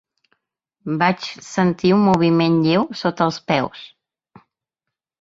Vaig sentir un moviment lleu sota els peus.